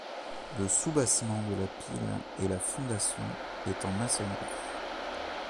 Le soubassement de la pile et la fondation est en maçonnerie.